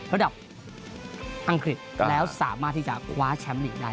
ระดับอังกฤษแล้วสามารถที่จะคว้าแชมป์ลีกได้